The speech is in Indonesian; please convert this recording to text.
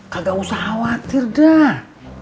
kagak usah khawatir dah